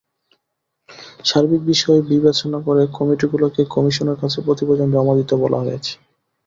সার্বিক বিষয় বিবেচনা করে কমিটিগুলোকে কমিশনের কাছে প্রতিবেদন জমা দিতে বলা হয়েছে।